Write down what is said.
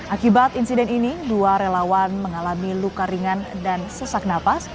akibat insiden ini dua relawan mengalami luka ringan dan sesak nafas